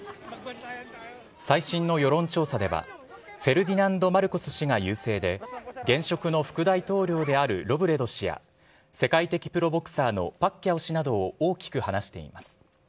最新の世論調査では、フェルディナンド・マルコス氏が優勢で、現職の副大統領であるロブレド氏や、世界的プロボクサーのパッキャオ氏などを大きく離しています。